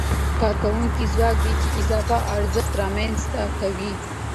د کارکوونکو ځواک دی چې اضافي ارزښت رامنځته کوي